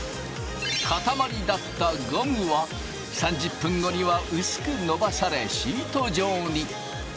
塊だったゴムは３０分後には薄くのばされシート状に。